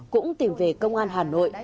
cũng tìm về công an hà nội